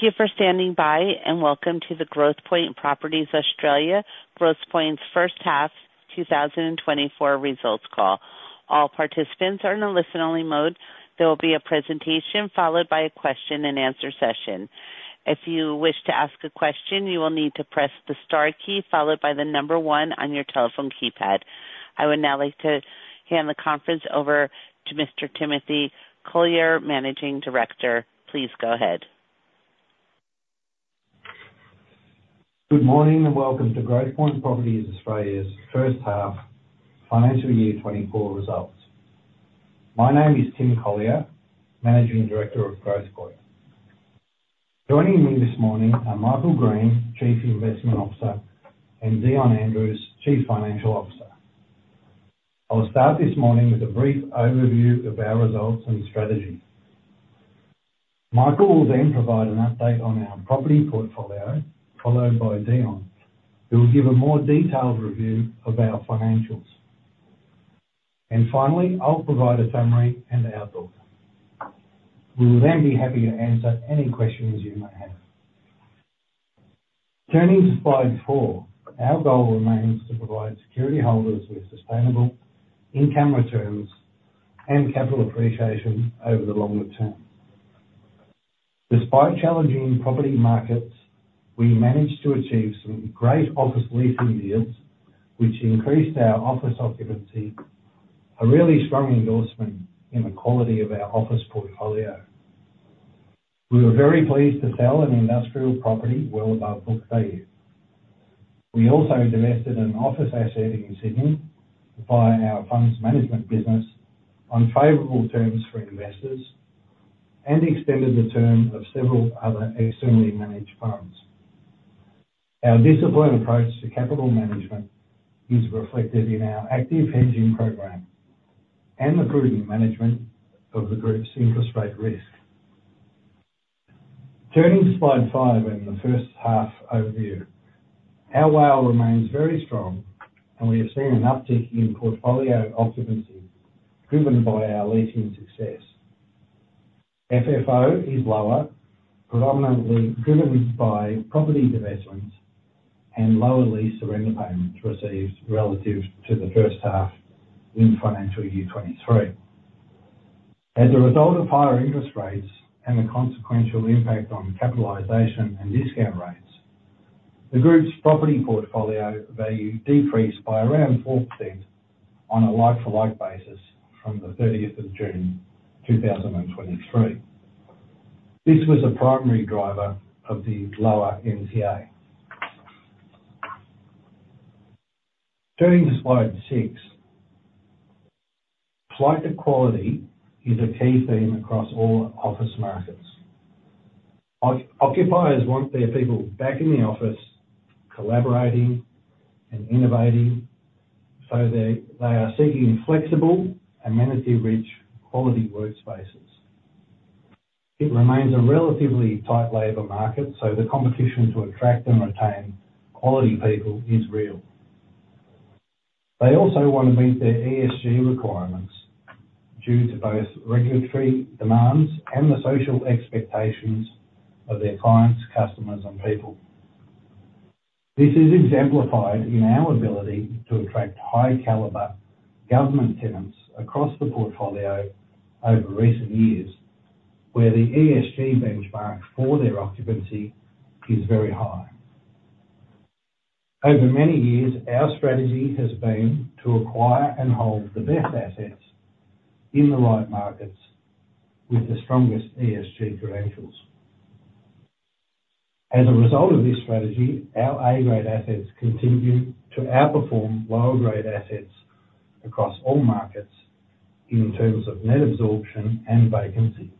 Thank you for standing by, and welcome to the Growthpoint Properties Australia, Growthpoint's first half 2024 results call. All participants are in a listen-only mode. There will be a presentation, followed by a question and answer session. If you wish to ask a question, you will need to press the star key, followed by the number one on your telephone keypad. I would now like to hand the conference over to Mr. Timothy Collyer, Managing Director. Please go ahead. Good morning, and welcome to Growthpoint Properties Australia's first half financial year 2024 results. My name is Timothy Collyer, Managing Director of Growthpoint. Joining me this morning are Michael Green, Chief Investment Officer, and Dion Andrews, Chief Financial Officer. I'll start this morning with a brief overview of our results and strategy. Michael will then provide an update on our property portfolio, followed by Dion, who will give a more detailed review of our financials. And finally, I'll provide a summary and the outlook. We will then be happy to answer any questions you may have. Turning to slide four, our goal remains to provide security holders with sustainable income returns and capital appreciation over the longer term. Despite challenging property markets, we managed to achieve some great office leasing deals, which increased our office occupancy, a really strong endorsement in the quality of our office portfolio. We were very pleased to sell an industrial property well above book value. We also divested an office asset in Sydney by our funds management business on favorable terms for investors, and extended the term of several other externally managed funds. Our disciplined approach to capital management is reflected in our active hedging program and the prudent management of the group's interest rate risk. Turning to slide five and the first half overview. Our WALE remains very strong, and we have seen an uptick in portfolio occupancy, driven by our leasing success. FFO is lower, predominantly driven by property divestments and lower lease surrender payments received relative to the first half in financial year 2023. As a result of higher interest rates and the consequential impact on capitalization and discount rates, the group's property portfolio value decreased by around 4% on a like-for-like basis from the thirtieth of June, two thousand and twenty-three. This was a primary driver of the lower NTA. Turning to slide 6. Site quality is a key theme across all office markets. Occupiers want their people back in the office, collaborating and innovating, so they are seeking flexible, amenity-rich, quality workspaces. It remains a relatively tight labor market, so the competition to attract and retain quality people is real. They also want to meet their ESG requirements due to both regulatory demands and the social expectations of their clients, customers, and people. This is exemplified in our ability to attract high caliber government tenants across the portfolio over recent years, where the ESG benchmark for their occupancy is very high. Over many years, our strategy has been to acquire and hold the best assets in the right markets with the strongest ESG credentials. As a result of this strategy, our A-grade assets continue to outperform lower grade assets across all markets in terms of net absorption and vacancy.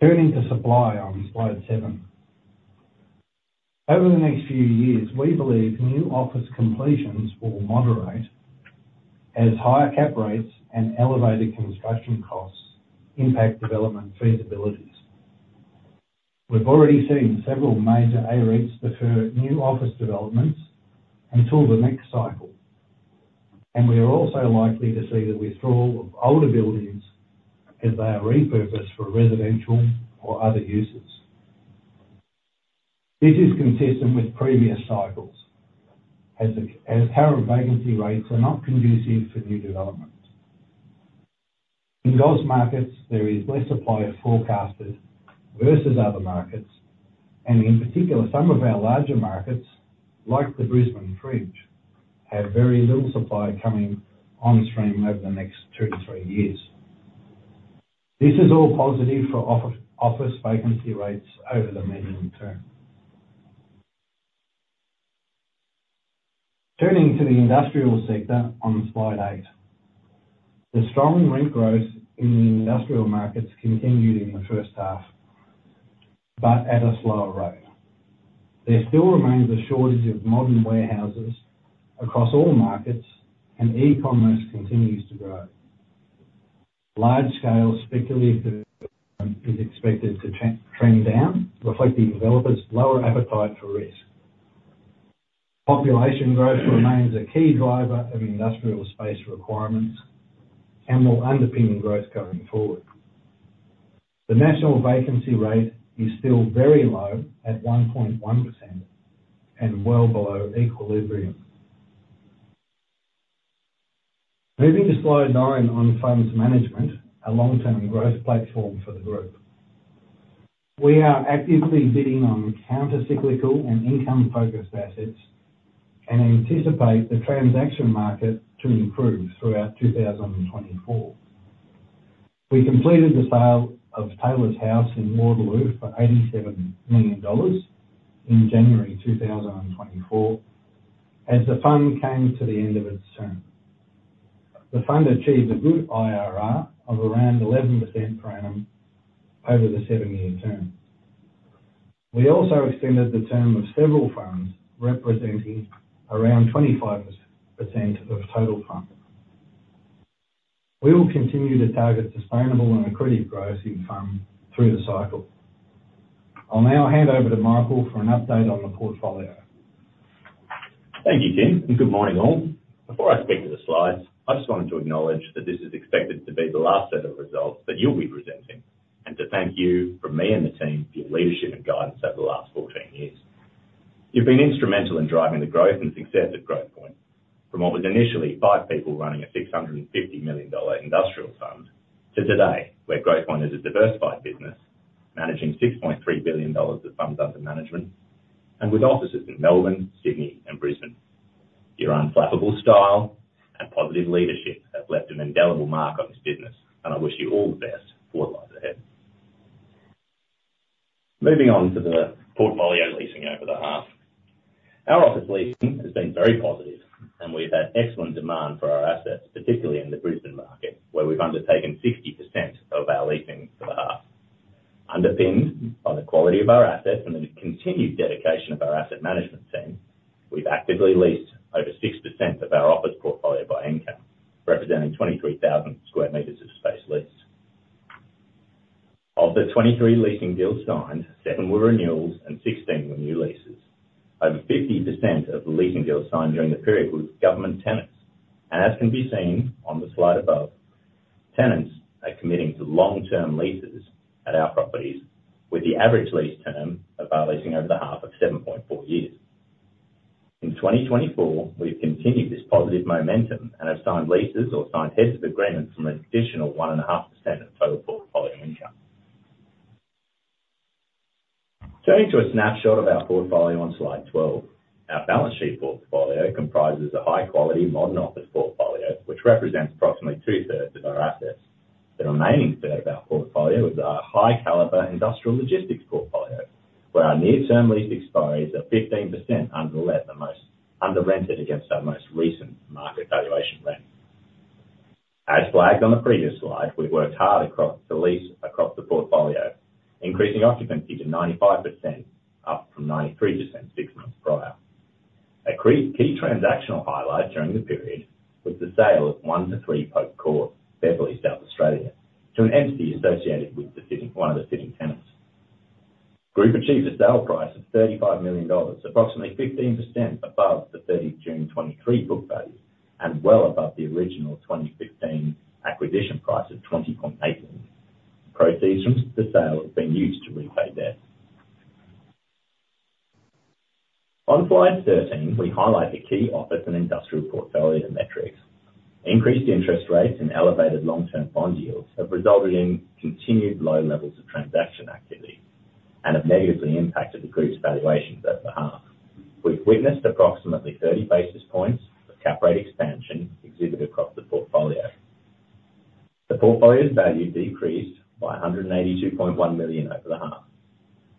Turning to supply on slide 7. Over the next few years, we believe new office completions will moderate as higher cap rates and elevated construction costs impact development feasibilities. We've already seen several major A-REITs defer new office developments until the next cycle, and we are also likely to see the withdrawal of older buildings as they are repurposed for residential or other uses. This is consistent with previous cycles, as the, as current vacancy rates are not conducive to new development. In those markets, there is less supply forecasted versus other markets, and in particular, some of our larger markets, like the Brisbane Fringe, have very little supply coming on stream over the next two to three years. This is all positive for office vacancy rates over the medium term. Turning to the industrial sector on slide eight. The strong rent growth in the industrial markets continued in the first half, but at a slower rate. There still remains a shortage of modern warehouses across all markets, and e-commerce continues to grow. Large-scale speculative development is expected to trend down, reflecting developers' lower appetite for risk. Population growth remains a key driver of industrial space requirements and will underpin growth going forward. The national vacancy rate is still very low, at 1.1%, and well below equilibrium. Moving to slide 9 on funds management, a long-term growth platform for the group. We are actively bidding on countercyclical and income-focused assets, and anticipate the transaction market to improve throughout 2024. We completed the sale of Taylors House in Waterloo for 87 million dollars in January 2024, as the fund came to the end of its term. The fund achieved a good IRR of around 11% per annum over the seven-year term. We also extended the term of several funds, representing around 25% of total funds. We will continue to target sustainable and accretive growth in funds through the cycle. I'll now hand over to Michael for an update on the portfolio. Thank you, Tim, and good morning, all. Before I speak to the slides, I just wanted to acknowledge that this is expected to be the last set of results that you'll be presenting, and to thank you from me and the team for your leadership and guidance over the last 14 years. You've been instrumental in driving the growth and success of Growthpoint, from what was initially five people running a 650 million dollar industrial fund, to today, where Growthpoint is a diversified business, managing 6.3 billion dollars of funds under management, and with offices in Melbourne, Sydney, and Brisbane. Your unflappable style and positive leadership have left an indelible mark on this business, and I wish you all the best for what lies ahead. Moving on to the portfolio leasing over the half. Our office leasing has been very positive, and we've had excellent demand for our assets, particularly in the Brisbane market, where we've undertaken 60% of our leasing for the half. Underpinned by the quality of our assets and the continued dedication of our asset management team, we've actively leased over 6% of our office portfolio by income, representing 23,000 square meters of space leased. Of the 23 leasing deals signed, seven were renewals and 16 were new leases. Over 50% of the leasing deals signed during the period were with government tenants, and as can be seen on the slide above, tenants are committing to long-term leases at our properties, with the average lease term of our leasing over the half of 7.4 years. In 2024, we've continued this positive momentum and have signed leases or signed heads of agreements from an additional 1.5% of total portfolio income. Turning to a snapshot of our portfolio on slide 12. Our balance sheet portfolio comprises a high-quality, modern office portfolio, which represents approximately two-thirds of our assets. The remaining third of our portfolio is our high caliber industrial logistics portfolio, where our near-term lease expiries are 15% underrented against our most recent market valuation rent. As flagged on the previous slide, we've worked hard across the lease, across the portfolio, increasing occupancy to 95%, up from 93% six months prior. A key transactional highlight during the period was the sale of 1-3 Pope Court, Beverley, South Australia, to an entity associated with one of the sitting tenants. Group achieved a sale price of 35 million dollars, approximately 15% above the 30 June 2023 book value, and well above the original 2015 acquisition price of AUD 20.8 million. Proceeds from the sale have been used to repay debt. On slide 13, we highlight the key office and industrial portfolio metrics. Increased interest rates and elevated long-term bond yields have resulted in continued low levels of transaction activity and have negatively impacted the Group's valuations at the half. We've witnessed approximately 30 basis points of cap rate expansion exhibited across the portfolio. The portfolio's value decreased by 182.1 million over the half.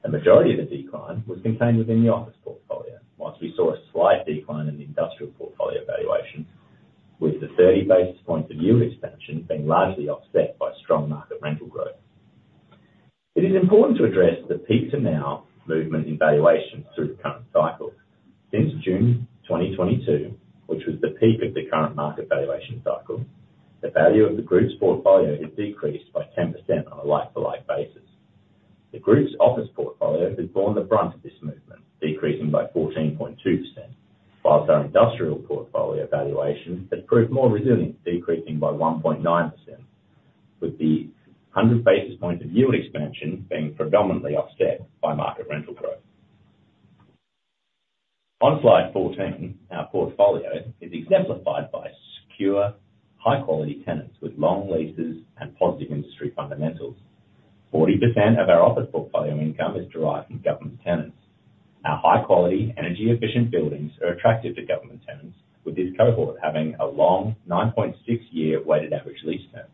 The majority of the decline was contained within the office portfolio, while we saw a slight decline in the industrial portfolio valuation, with the 30 basis points of yield expansion being largely offset by strong market rental growth. It is important to address the peak to now movement in valuations through the current cycle. Since June 2022, which was the peak of the current market valuation cycle, the value of the group's portfolio has decreased by 10% on a like-for-like basis. The group's office portfolio has borne the brunt of this movement, decreasing by 14.2%, while our industrial portfolio valuation has proved more resilient, decreasing by 1.9%, with the 100 basis points of yield expansion being predominantly offset by market rental growth. On slide 14, our portfolio is exemplified by secure, high-quality tenants with long leases and positive industry fundamentals. 40% of our office portfolio income is derived from government tenants. Our high-quality, energy-efficient buildings are attractive to government tenants, with this cohort having a long 9.6-year weighted average lease term.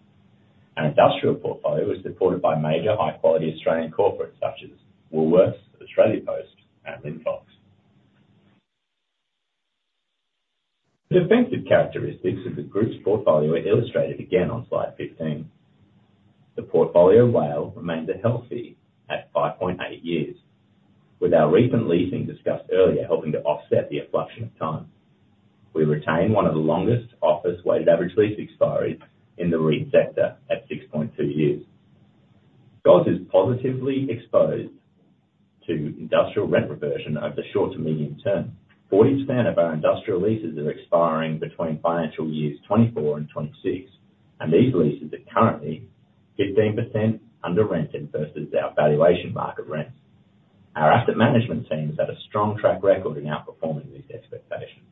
Our industrial portfolio is supported by major high-quality Australian corporates such as Woolworths, Australia Post, and Linfox. The defensive characteristics of the group's portfolio are illustrated again on slide 15. The portfolio WALE remains healthy at 5.8 years, with our recent leasing discussed earlier, helping to offset the effluxion of time. We retain one of the longest office weighted average lease expiries in the REIT sector at 6.2 years. GOZ is positively exposed to industrial rent reversion over the short to medium term. 40% of our industrial leases are expiring between financial years 2024 and 2026, and these leases are currently 15% under rent versus our valuation market rents. Our asset management team has had a strong track record in outperforming these expectations.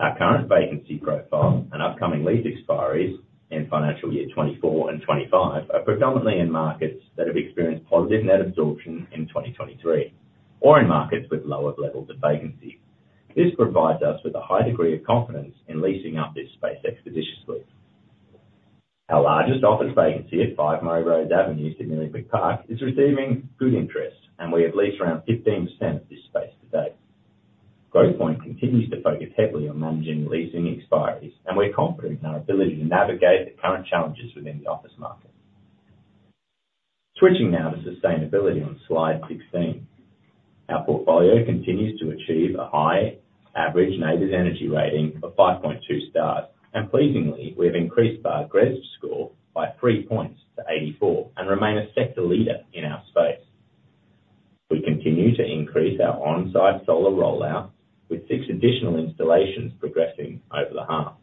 Our current vacancy profile and upcoming lease expiries in financial year 2024 and 2025 are predominantly in markets that have experienced positive net absorption in 2023, or in markets with lower levels of vacancy. This provides us with a high degree of confidence in leasing up this space expeditiously. Our largest office vacancy at 5 Murray Rose Avenue, Sydney Olympic Park, is receiving good interest, and we have leased around 15% of this space to date. Growthpoint continues to focus heavily on managing leasing expiries, and we're confident in our ability to navigate the current challenges within the office market. Switching now to sustainability on Slide 16. Our portfolio continues to achieve a high average NABERS Energy rating of 5.2 stars, and pleasingly, we have increased our GRESB score by 3 points to 84, and remain a sector leader in our space. We continue to increase our on-site solar rollout, with six additional installations progressing over the half.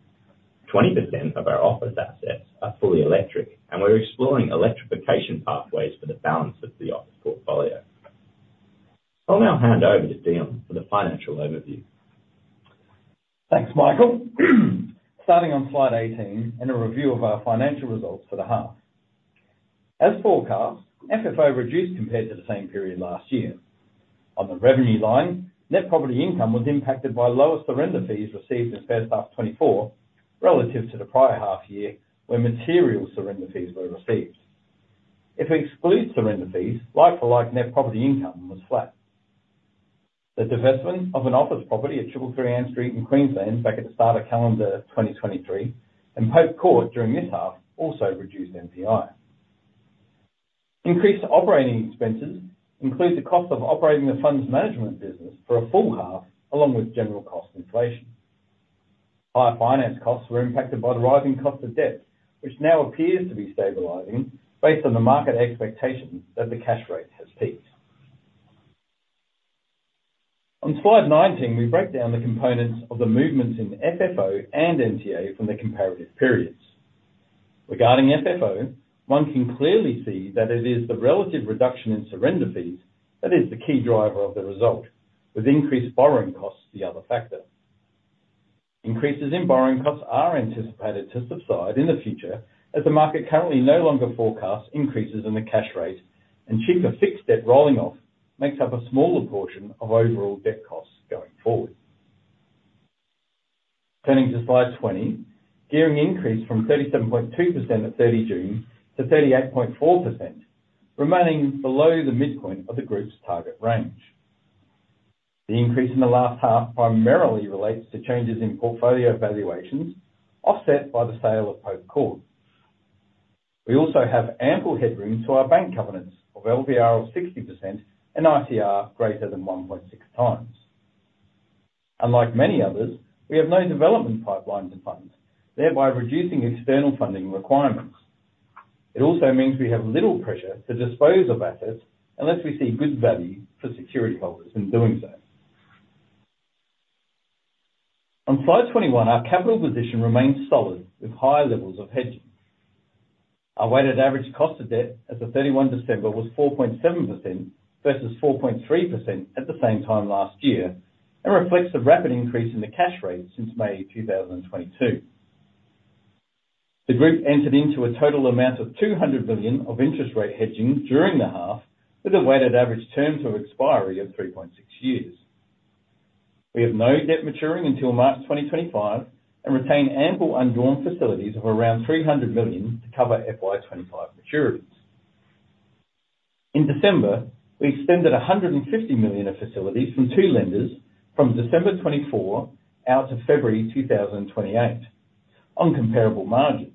20% of our office assets are fully electric, and we're exploring electrification pathways for the balance of the office portfolio. I'll now hand over to Dion for the financial overview. Thanks, Michael. Starting on Slide 18, a review of our financial results for the half. As forecast, FFO reduced compared to the same period last year. On the revenue line, net property income was impacted by lower surrender fees received in the first half of 2024 relative to the prior half year, where material surrender fees were received. If we exclude surrender fees, like for like net property income was flat. The divestment of an office property at 333 Ann Street in Queensland back at the start of calendar 2023, and Pope Court during this half, also reduced NPI. Increased operating expenses include the cost of operating the funds management business for a full half, along with general cost inflation. Higher finance costs were impacted by the rising cost of debt, which now appears to be stabilizing based on the market expectation that the cash rate has peaked. On Slide 19, we break down the components of the movements in FFO and NTA from the comparative periods. Regarding FFO, one can clearly see that it is the relative reduction in surrender fees that is the key driver of the result, with increased borrowing costs the other factor. Increases in borrowing costs are anticipated to subside in the future, as the market currently no longer forecasts increases in the cash rate, and cheaper fixed debt rolling off makes up a smaller portion of overall debt costs going forward. Turning to Slide 20, gearing increased from 37.2% at 30 June to 38.4%, remaining below the midpoint of the group's target range. The increase in the last half primarily relates to changes in portfolio valuations, offset by the sale of Pope Court. We also have ample headroom to our bank covenants of LVR of 60% and ICR greater than 1.6x. Unlike many others, we have no development pipeline to fund, thereby reducing external funding requirements. It also means we have little pressure to dispose of assets unless we see good value for security holders in doing so. On Slide 21, our capital position remains solid, with higher levels of hedging. Our weighted average cost of debt as of 31 December was 4.7% versus 4.3% at the same time last year, and reflects the rapid increase in the cash rate since May 2022. The group entered into a total amount of 200 billion of interest rate hedging during the half, with a weighted average term to expiry of 3.6 years. We have no debt maturing until March 2025, and retain ample undrawn facilities of around 300 million to cover FY 2025 maturities. In December, we extended 150 million of facilities from two lenders, from December 2024 out to February 2028 on comparable margins.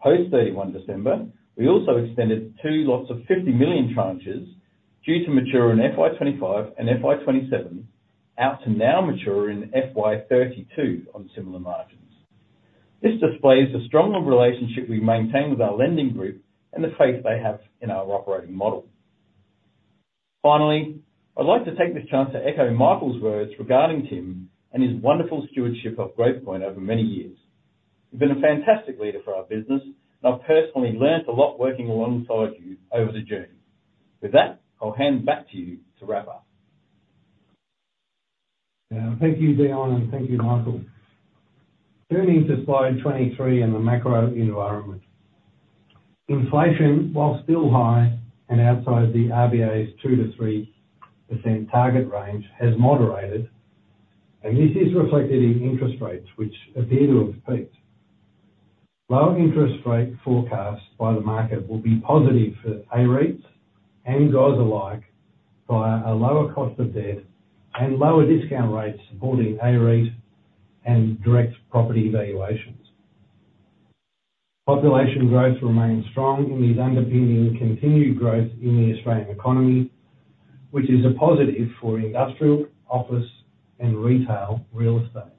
Post 31 December, we also extended two lots of 50 million tranches due to mature in FY 2025 and FY 2027, out to now mature in FY 2032 on similar margins. This displays the stronger relationship we maintain with our lending group and the faith they have in our operating model. Finally, I'd like to take this chance to echo Michael's words regarding Tim and his wonderful stewardship of Growthpoint over many years. You've been a fantastic leader for our business, and I've personally learned a lot working alongside you over the journey. With that, I'll hand back to you to wrap up. Thank you, Dion, and thank you, Michael. Turning to Slide 23 and the macro environment. Inflation, while still high and outside the RBA's 2%-3% target range, has moderated, and this is reflected in interest rates, which appear to have peaked. Lower interest rate forecast by the market will be positive for A-REITs and GOZ alike, by a lower cost of debt and lower discount rates supporting A-REITs and direct property valuations. Population growth remains strong and is underpinning continued growth in the Australian economy, which is a positive for industrial, office, and retail real estate.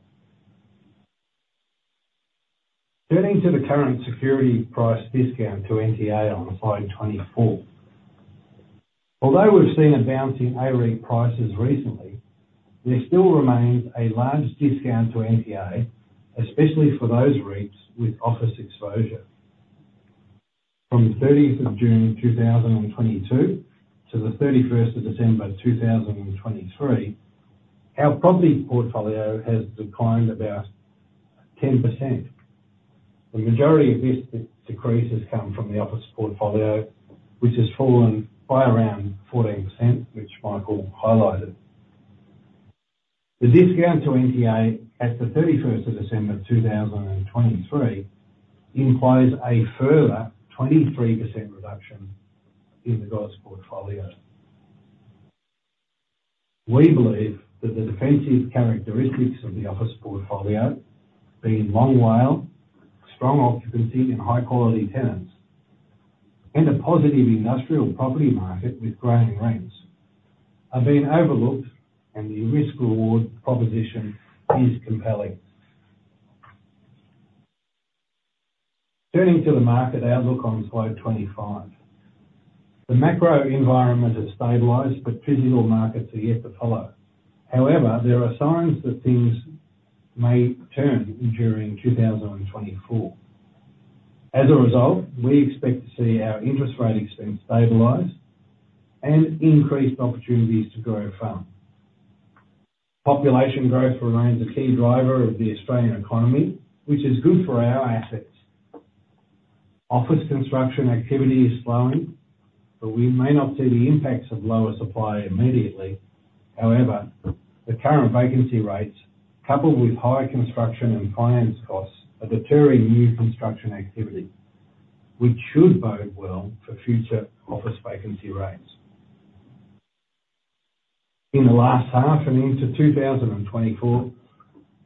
Turning to the current security price discount to NTA on slide 24. Although we've seen a bounce in A-REIT prices recently, there still remains a large discount to NTA, especially for those REITs with office exposure. From the 30th of June, 2022, to the 31st of December, 2023, our property portfolio has declined about 10%. The majority of this decrease has come from the office portfolio, which has fallen by around 14%, which Michael highlighted. The discount to NTA at the 31st of December, 2023, implies a further 23% reduction in the Growthpoint portfolio. We believe that the defensive characteristics of the office portfolio, being long WALE, strong occupancy and high quality tenants, and a positive industrial property market with growing rents, are being overlooked, and the risk/reward proposition is compelling. Turning to the market outlook on slide 25. The macro environment has stabilized, but physical markets are yet to follow. However, there are signs that things may turn during 2024. As a result, we expect to see our interest rate expense stabilize and increased opportunities to grow fund. Population growth remains a key driver of the Australian economy, which is good for our assets. Office construction activity is slowing, but we may not see the impacts of lower supply immediately. However, the current vacancy rates, coupled with higher construction and finance costs, are deterring new construction activity, which should bode well for future office vacancy rates. In the last half and into 2024,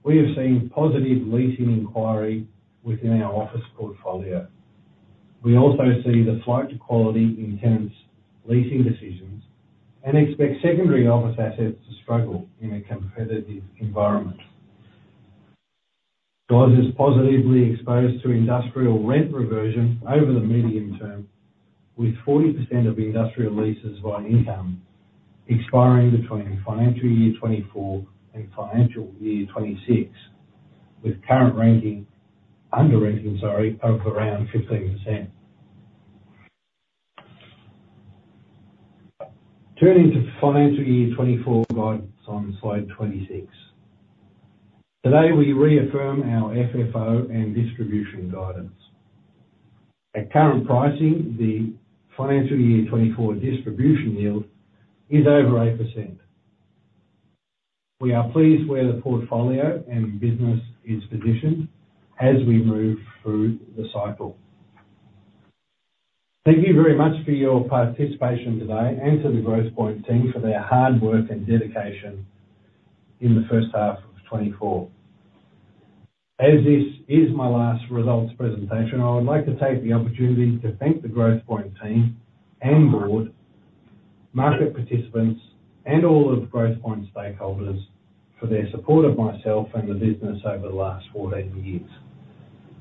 we have seen positive leasing inquiry within our office portfolio. We also see the flight to quality in tenants' leasing decisions and expect secondary office assets to struggle in a competitive environment. Growthpoint's is positively exposed to industrial rent reversion over the medium term, with 40% of industrial leases by income expiring between financial year 2024 and financial year 2026, with current rental under-renting, sorry, of around 15%. Turning to financial year 2024 guidance on slide 26. Today, we reaffirm our FFO and distribution guidance. At current pricing, the financial year 2024 distribution yield is over 8%. We are pleased where the portfolio and business is positioned as we move through the cycle. Thank you very much for your participation today and to the Growthpoint team for their hard work and dedication in the first half of 2024. As this is my last results presentation, I would like to take the opportunity to thank the Growthpoint team and board, market participants, and all of Growthpoint stakeholders for their support of myself and the business over the last 14 years.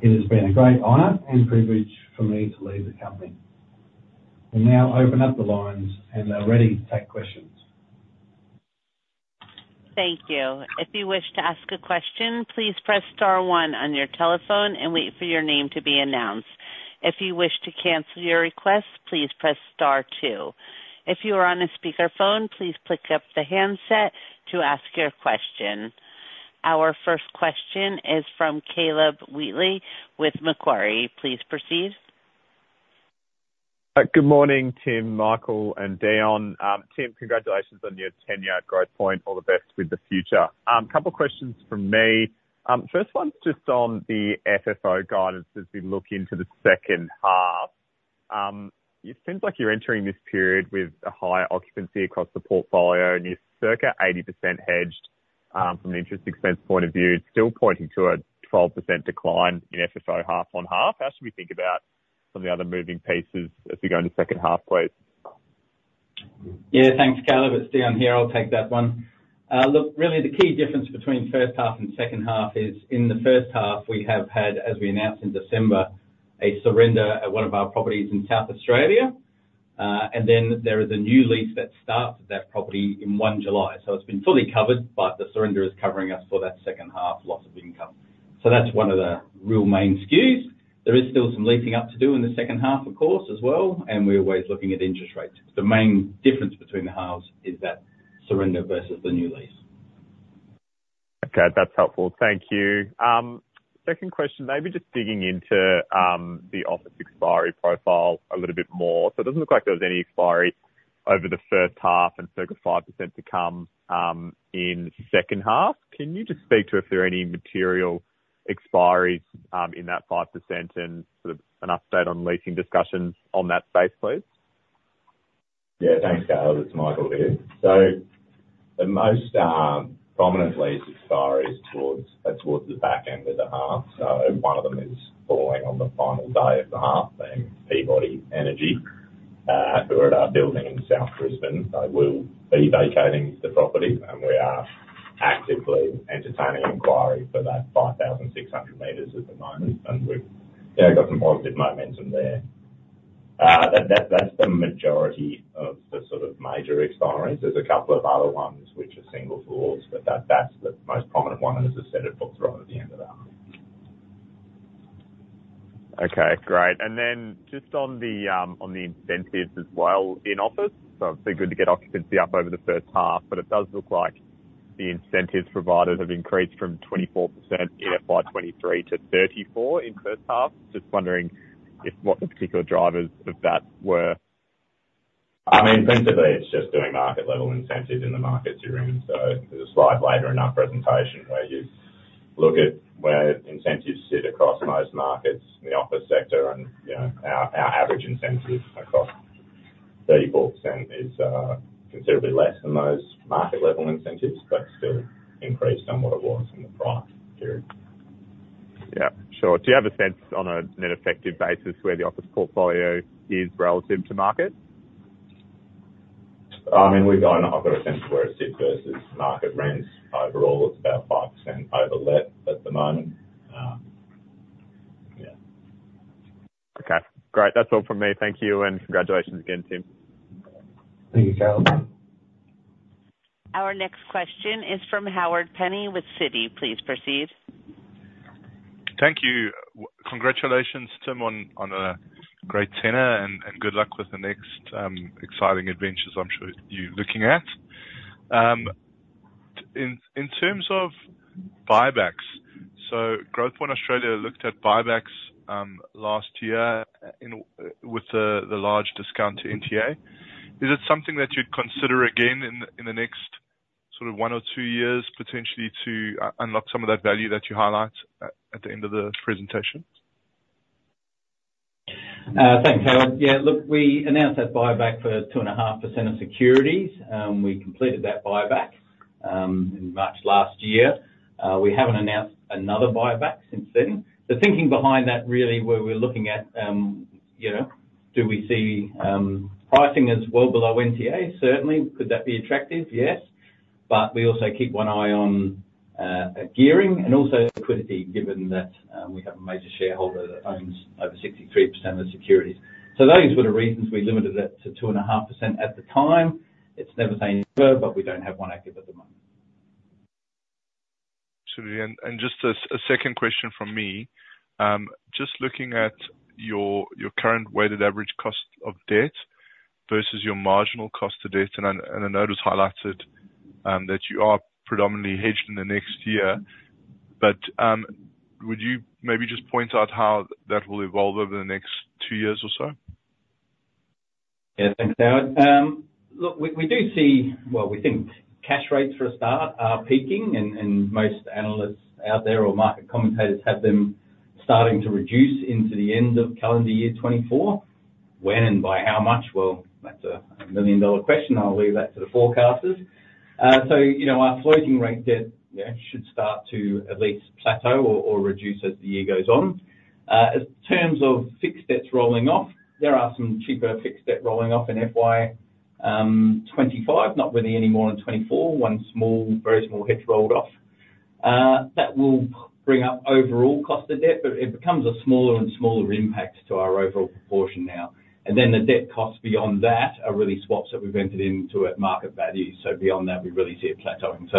It has been a great honor and privilege for me to lead the company. We'll now open up the lines, and they're ready to take questions. Thank you. If you wish to ask a question, please press star one on your telephone and wait for your name to be announced. If you wish to cancel your request, please press star two. If you are on a speakerphone, please pick up the handset to ask your question. Our first question is from Caleb Wheatley with Macquarie. Please proceed. Good morning, Tim, Michael, and Dion. Tim, congratulations on your tenure at Growthpoint. All the best with the future. Couple questions from me. First one's just on the FFO guidance as we look into the second half. It seems like you're entering this period with a higher occupancy across the portfolio, and you're circa 80% hedged, from an interest expense point of view, still pointing to a 12% decline in FFO, half on half. How should we think about some of the other moving pieces as we go into second half, please? Yeah, thanks, Caleb. It's Dion here. I'll take that one. Look, really, the key difference between first half and second half is in the first half, we have had, as we announced in December, a surrender at one of our properties in South Australia. And then there is a new lease that starts at that property in 1 July. So it's been fully covered, but the surrender is covering us for that second half loss of income. So that's one of the real main skews. There is still some leasing up to do in the second half, of course, as well, and we're always looking at interest rates. The main difference between the halves is that surrender versus the new lease. Okay, that's helpful. Thank you. Second question, maybe just digging into the office expiry profile a little bit more. So it doesn't look like there was any expiry over the first half, and circa 5% to come in the second half. Can you just speak to if there are any material expiries in that 5% and sort of an update on leasing discussions on that space, please? Yeah. Thanks, Caleb. It's Michael here. So the most prominent lease expiry is towards the back end of the half. So one of them is falling on the final day of the half, being Peabody Energy. We're at our building in South Brisbane, so we'll be vacating the property, and we are actively entertaining inquiry for that 5,600 meters at the moment, and we've, yeah, got some positive momentum there. That, that's the majority of the sort of major expiries. There's a couple of other ones which are single floors, but that, that's the most prominent one, and as I said, it puts right at the end of the arm. Okay, great. And then just on the incentives as well in office. So it'd be good to get occupancy up over the first half, but it does look like the incentives provided have increased from 24% FY 2023 to 34% in first half. Just wondering if what the particular drivers of that were? I mean, principally, it's just doing market level incentives in the markets you're in. So there's a slide later in our presentation where you look at where incentives sit across most markets in the office sector, and, you know, our, our average incentive across 34% is considerably less than those market level incentives, but still increased on what it was in the prior period. Yeah, sure. Do you have a sense on a net effective basis where the office portfolio is relative to market? I mean, I've got a sense of where it sits versus market rents. Overall, it's about 5% over let at the moment. Yeah. Okay, great. That's all from me. Thank you, and congratulations again, Tim. Thank you, Caleb. Our next question is from Howard Penny with Citi. Please proceed. Thank you. Congratulations, Tim, on a great tenure, and good luck with the next exciting adventures I'm sure you're looking at. In terms of buybacks, so Growthpoint Australia looked at buybacks last year with the large discount to NTA. Is it something that you'd consider again in the next sort of one or two years, potentially to unlock some of that value that you highlight at the end of the presentation? Thanks, Howard. Yeah, look, we announced that buyback for 2.5% of securities, we completed that buyback, in March last year. We haven't announced another buyback since then. The thinking behind that, really, where we're looking at, you know, do we see, pricing as well below NTA? Certainly. Could that be attractive? Yes. But we also keep one eye on, a gearing and also liquidity, given that, we have a major shareholder that owns over 63% of the securities. So those were the reasons we limited it to 2.5% at the time. It's never saying further, but we don't have one active at the moment. Absolutely. And just as a second question from me, just looking at your current weighted average cost of debt versus your marginal cost of debt, and a note is highlighted that you are predominantly hedged in the next year. But would you maybe just point out how that will evolve over the next two years or so? Yeah, thanks, Howard. Look, we do see, well, we think cash rates for a start are peaking and most analysts out there or market commentators have them starting to reduce into the end of calendar year 2024. When and by how much? Well, that's a million-dollar question. I'll leave that to the forecasters. So, you know, our floating rate debt, yeah, should start to at least plateau or reduce as the year goes on. In terms of fixed debts rolling off, there are some cheaper fixed debt rolling off in FY 2025, not really any more in 2024. One small, very small hit rolled off. That will bring up overall cost of debt, but it becomes a smaller and smaller impact to our overall proportion now. And then the debt costs beyond that are really swaps that we've entered into at market value, so beyond that, we really see it plateauing. So,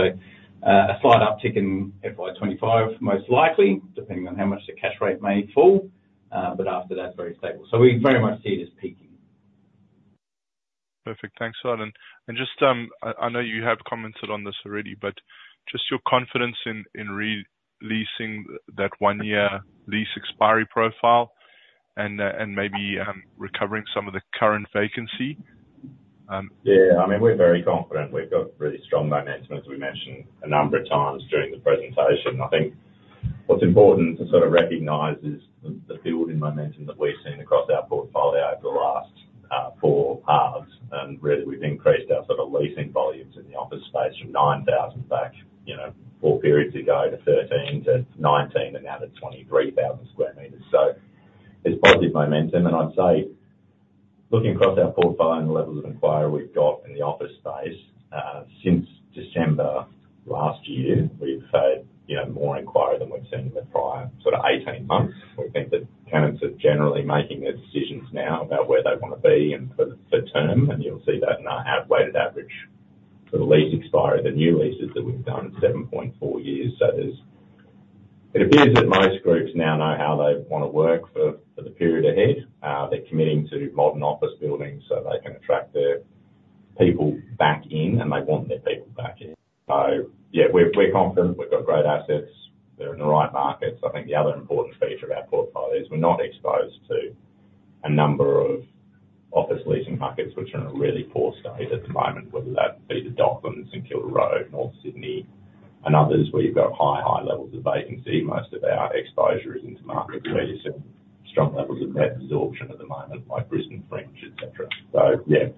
a slight uptick in FY 2025, most likely, depending on how much the cash rate may fall, but after that, very stable. So we very much see it as peaking. Perfect. Thanks a lot. And just, I know you have commented on this already, but just your confidence in re-leasing that 1-year lease expiry profile and maybe recovering some of the current vacancy? Yeah, I mean, we're very confident. We've got really strong momentum, as we mentioned a number of times during the presentation. I think what's important to sort of recognize is the building momentum that we've seen across our portfolio over the last four halves. And really, we've increased our sort of leasing volumes in the office space from 9,000 sq m back, you know, four periods ago to 13,000 sq m to 19,000 sq m and now to 23,000 sq m. So there's positive momentum, and I'd say, looking across our portfolio and the levels of inquiry we've got in the office space, since December last year, we've seen, you know, more inquiry than we've seen in the prior sort of 18 months. We think that tenants are generally making their decisions now about where they want to be and for term, and you'll see that in our weighted average for the lease expiry, the new leases that we've done, 7.4 years. So there's it appears that most groups now know how they want to work for the period ahead. They're committing to modern office buildings, so they can attract their people back in, and they want their people back in. So yeah, we're confident. We've got great assets. They're in the right markets. I think the other important feature of our portfolio is we're not exposed to a number of office leasing markets, which are in a really poor state at the moment, whether that be the Docklands and St Kilda Road, North Sydney and others, where you've got high levels of vacancy. Most of our exposure is into markets where you see strong levels of net absorption at the moment, like Brisbane, Fringe, et cetera. So yeah,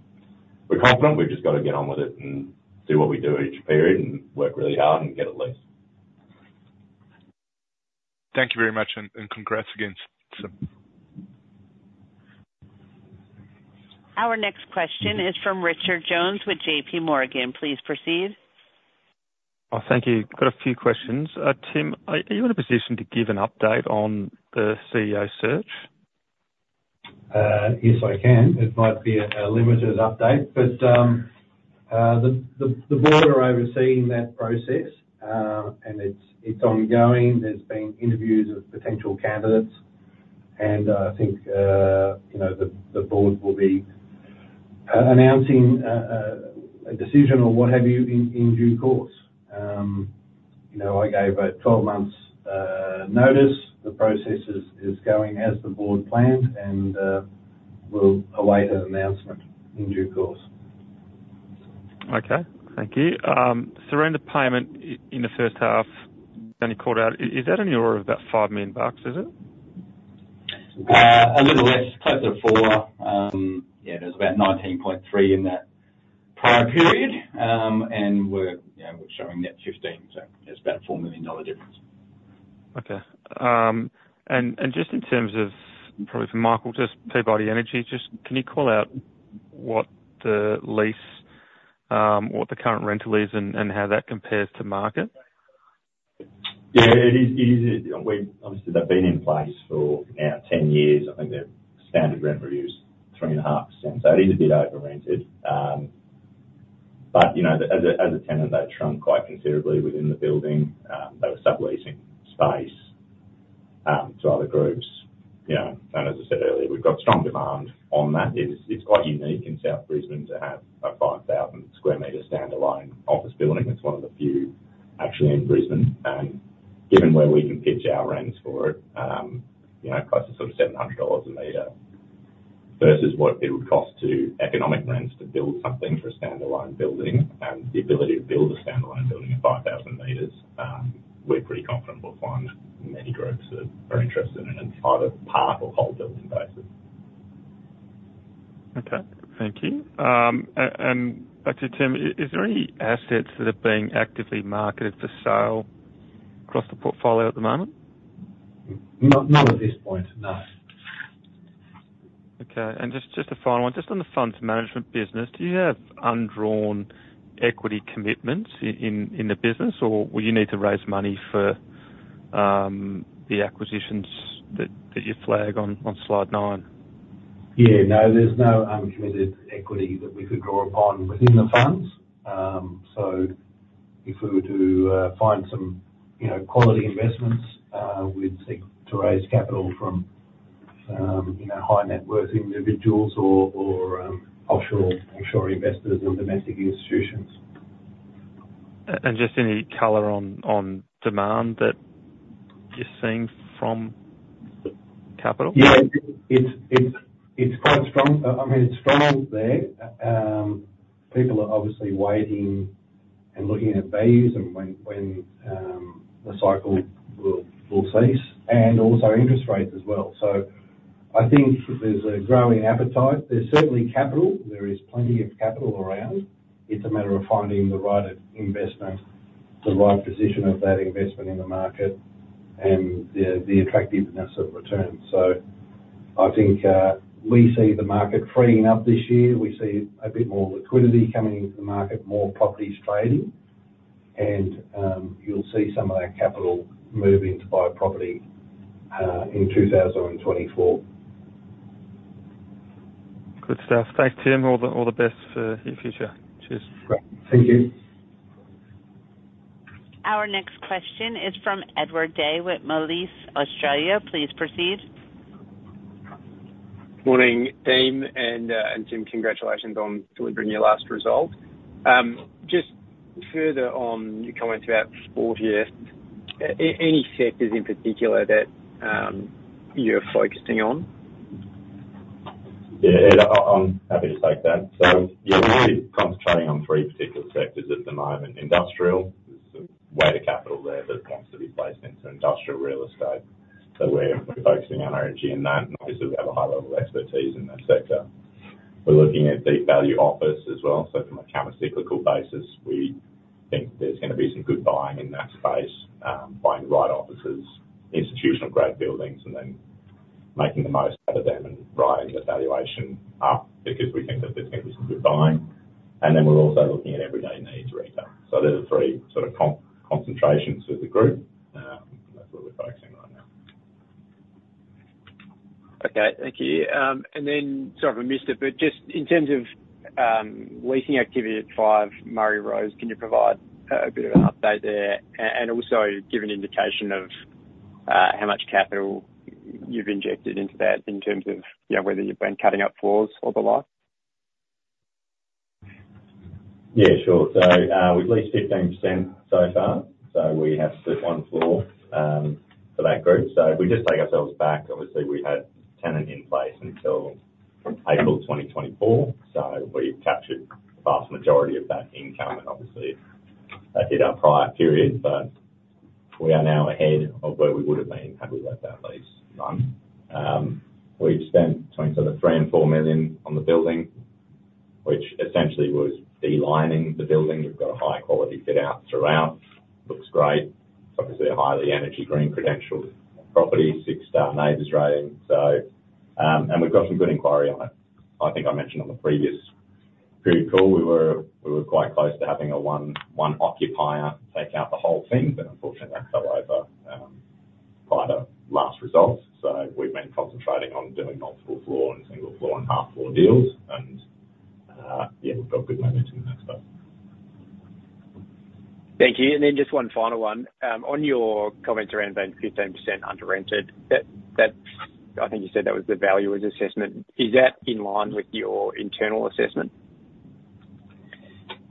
we're confident. We've just got to get on with it and do what we do each period and work really hard and get it leased. Thank you very much, and congrats again, Tim. Our next question is from Richard Jones with JPMorgan. Please proceed. Oh, thank you. Got a few questions. Tim, are you in a position to give an update on the CEO search? Yes, I can. It might be a limited update, but the board are overseeing that process, and it's ongoing. There's been interviews of potential candidates, and I think, you know, the board will be announcing a decision or what have you, in due course. You know, I gave a 12 months notice. The process is going as the board planned, and we'll await an announcement in due course. Okay. Thank you. So around the payment in the first half, Dion called out, is that in the order of about 5 million bucks, is it? A little less, closer to 4 million. Yeah, there's about 19.3 million in that prior period. And we're, you know, we're showing net 15 million, so it's about 4 million dollar difference. Okay. And just in terms of, probably for Michael, just Peabody Energy, just can you call out what the lease, what the current rental is and how that compares to market? Yeah, it is, it is, we've obviously, they've been in place for now 10 years. I think their standard rent review is 3.5%, so it is a bit over-rented. But you know, as a tenant, they've shrunk quite considerably within the building. They were subleasing space to other groups. You know, and as I said earlier, we've got strong demand on that. It is, it's quite unique in South Brisbane to have a 5,000 square meter standalone office building. It's one of the few actually in Brisbane, and given where we can pitch our rents for it, you know, close to sort of 700 dollars a meter, versus what it would cost to economic rents to build something for a standalone building, and the ability to build a standalone building of 5,000 meters, we're pretty confident we'll find many groups that are interested in it on either part or whole building basis. Okay, thank you. Back to Tim, is there any assets that are being actively marketed for sale across the portfolio at the moment? None at this point, no. Okay, and just a final one. Just on the funds management business, do you have undrawn equity commitments in the business, or will you need to raise money for the acquisitions that you flag on slide nine? Yeah, no, there's no uncommitted equity that we could draw upon within the funds. So if we were to find some, you know, quality investments, we'd seek to raise capital from, you know, high net worth individuals or offshore, onshore investors or domestic institutions. And just any color on, on demand that you're seeing from capital? Yeah, it's quite strong. I mean, it's strong out there. People are obviously waiting and looking at values and when the cycle will cease, and also interest rates as well. So I think there's a growing appetite. There's certainly capital. There is plenty of capital around. It's a matter of finding the right investment, the right position of that investment in the market, and the attractiveness of return. So I think we see the market freeing up this year. We see a bit more liquidity coming into the market, more properties trading, and you'll see some of that capital move in to buy a property in 2024. Good stuff. Thanks, Tim. All the best for your future. Cheers. Thank you. Our next question is from Edward Day with Moelis Australia. Please proceed. Morning, Dion, and Tim, congratulations on delivering your last result. Just further on, you commented about sport here. Any sectors in particular that you're focusing on? Yeah, Ed, I'm happy to take that. So yeah, we're concentrating on three particular sectors at the moment. Industrial, there's a weight of capital there that wants to be placed into industrial real estate, so we're focusing our energy in that, and obviously, we have a high level of expertise in that sector. We're looking at deep value office as well. So from a countercyclical basis, we think there's gonna be some good buying in that space, buying the right offices, institutional-grade buildings, and then making the most out of them and driving the valuation up because we think that there's gonna be some good buying. And then we're also looking at everyday needs retail. So there are the three sort of concentrations for the group, and that's what we're focusing on now. Okay, thank you. And then, sorry if I missed it, but just in terms of leasing activity at 5 Murray Rose, can you provide a bit of an update there, and also give an indication of how much capital you've injected into that in terms of, you know, whether you've been cutting up floors or the like? Yeah, sure. So, we've leased 15% so far, so we have one floor for that group. So if we just take ourselves back, obviously, we had tenant in place until April 2024, so we've captured the vast majority of that income, and obviously, that hit our prior periods, but we are now ahead of where we would've been had we left that lease run. We've spent between sort of 3 million and 4 million on the building, which essentially was de-lining the building. We've got a high quality fit out throughout. Looks great. Obviously, a highly energy green credentialed property, six-star NABERS rating. So, and we've got some good inquiry on it. I think I mentioned on the previous period call, we were quite close to having a one occupier take out the whole thing, but unfortunately, that fell over prior to last results. So we've been concentrating on doing multiple floor and single floor, and half floor deals, and yeah, we've got good momentum in that space. Thank you. And then just one final one. On your comments around being 15% under-rented, that. I think you said that was the valuer's assessment. Is that in line with your internal assessment?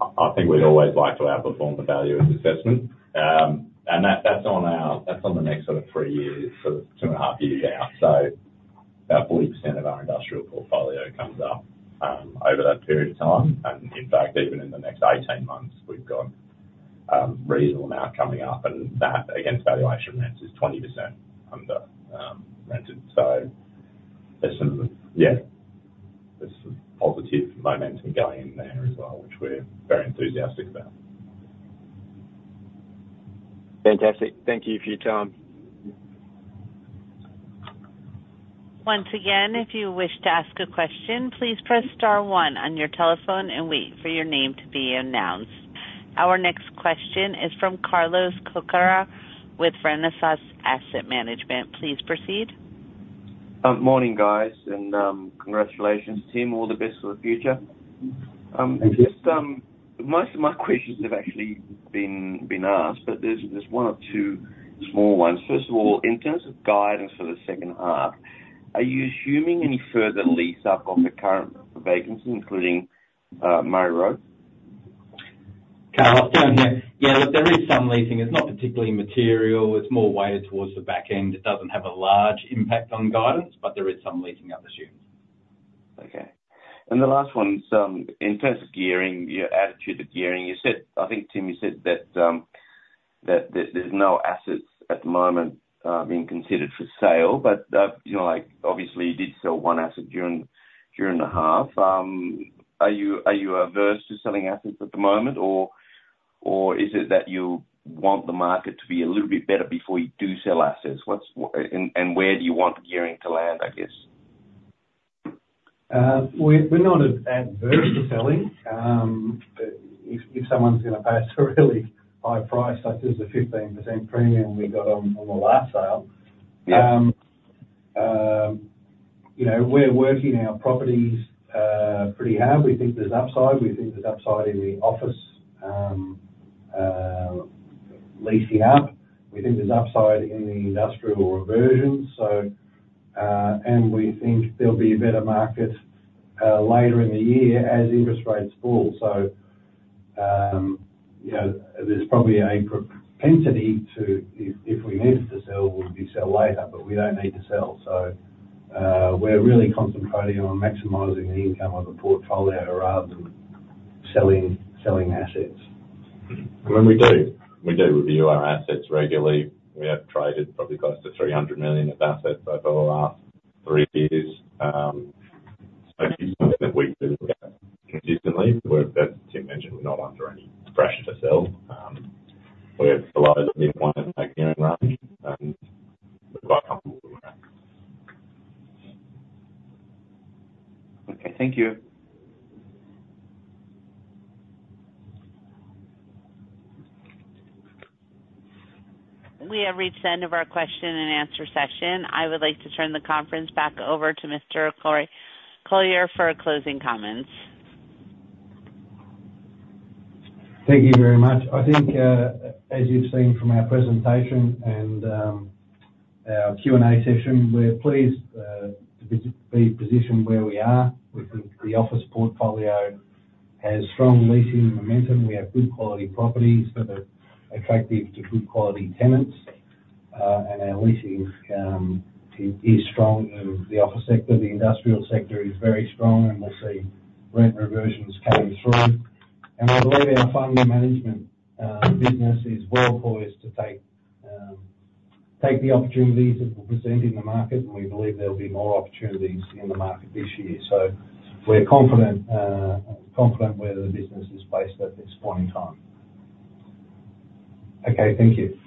I think we'd always like to outperform the valuer's assessment. And that's on the next sort of three years, so two and half years out. So about 40% of our industrial portfolio comes up over that period of time. And in fact, even in the next 18 months, we've got a reasonable amount coming up, and that, against valuation rents, is 20% under rented. So there's some, yeah, there's some positive momentum going in there as well, which we're very enthusiastic about. Fantastic. Thank you for your time. Once again, if you wish to ask a question, please press star one on your telephone and wait for your name to be announced. Our next question is from Carlos Cocaro with Renaissance Asset Management. Please proceed. Morning, guys, and congratulations, Tim. All the best for the future. Thank you. Just, most of my questions have actually been asked, but there's one or two small ones. First of all, in terms of guidance for the second half, are you assuming any further lease up on the current vacancy, including Murray Rose? Carlos, down there. Yeah, look, there is some leasing. It's not particularly material. It's more weighted towards the back end. It doesn't have a large impact on guidance, but there is some leasing, I'm assuming. Okay. And the last one is, in terms of gearing, your attitude to gearing, you said. I think, Tim, you said that there's no assets at the moment, being considered for sale, but, you know, like, obviously, you did sell one asset during the half. Are you averse to selling assets at the moment? Or, is it that you want the market to be a little bit better before you do sell assets? What's and, where do you want gearing to land, I guess? We're not adverse to selling, but if someone's gonna pay us a really high price, such as the 15% premium we got on the last sale. Yeah. You know, we're working our properties pretty hard. We think there's upside. We think there's upside in the office leasing up. We think there's upside in the industrial reversions. So, and we think there'll be a better market later in the year as interest rates fall. So, you know, there's probably a propensity to, if we needed to sell, we'd sell later, but we don't need to sell. So, we're really concentrating on maximizing the income of the portfolio rather than selling, selling assets. When we do, we do review our assets regularly. We have traded probably close to 300 million of assets over the last three years. So it's something that we do consistently. We're, as Tim mentioned, we're not under any pressure to sell. We have a lot of mid-market near run, and we're quite comfortable with that. Okay. Thank you. We have reached the end of our question-and-answer session. I would like to turn the conference back over to Mr. Collyer for closing comments. Thank you very much. I think, as you've seen from our presentation and, our Q&A session, we're pleased, to be positioned where we are. We think the office portfolio has strong leasing momentum. We have good quality properties that are attractive to good quality tenants. And our leasing, is strong in the office sector. The industrial sector is very strong, and we'll see rent reversions coming through. And I believe our funds management business is well poised to take the opportunities that were presented in the market, and we believe there'll be more opportunities in the market this year. So we're confident, confident where the business is placed at this point in time. Okay, thank you.